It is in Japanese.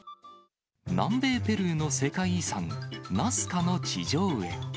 南米ペルーの世界遺産、ナスカの地上絵。